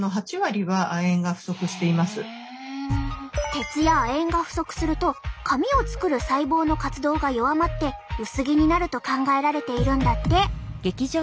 鉄や亜鉛が不足すると髪を作る細胞の活動が弱まって薄毛になると考えられているんだって。